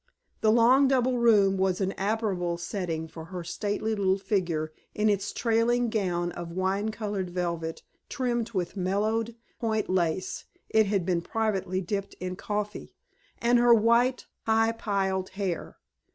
The long double room was an admirable setting for her stately little figure in its trailing gown of wine colored velvet trimmed with mellowed point lace (it had been privately dipped in coffee) and her white high piled hair.